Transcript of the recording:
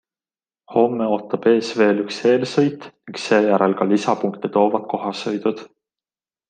Homme ootab ees veel üks eelsõit ning seejärel ka lisapunkte toovad kohasõidud.